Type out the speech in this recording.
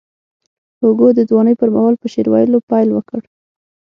هوګو د ځوانۍ پر مهال په شعر ویلو پیل وکړ.